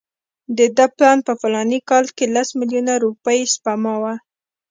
د ده پلان په فلاني کال کې لس میلیونه روپۍ سپما وه.